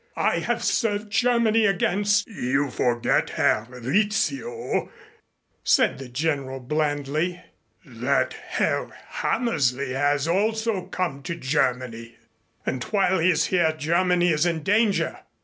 I have served Germany against " "You forget, Herr Rizzio," said the General blandly, "that Herr Hammersley has also come to Germany." "And while he is here Germany is in danger.